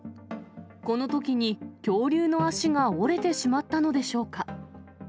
このときに恐竜の足が折れてしまったのでしょうか。